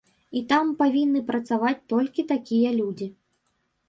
І там павінны працаваць толькі такія людзі.